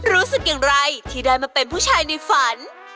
รู้สึกอย่างไรที่ได้มาเป็นผู้ชายในฝัน